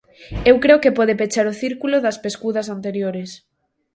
Eu creo que pode pechar o círculo das pescudas anteriores.